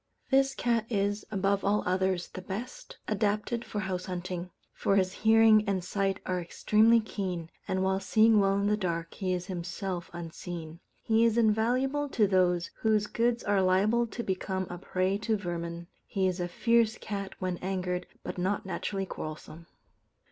This cat is, above all others, the best adapted for house hunting; for his hearing and sight are extremely keen, and while seeing well in the dark, he is himself unseen. He is invaluable to those whose goods are liable to become a prey to vermin. He is a fierce cat when angered, but not naturally quarrelsome.